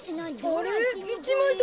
あれ？